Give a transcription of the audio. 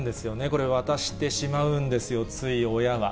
これ渡してしまうんですよ、つい、親は。